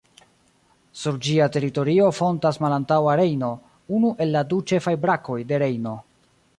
Sur ĝia teritorio fontas Malantaŭa Rejno, unu el la du ĉefaj brakoj de Rejno.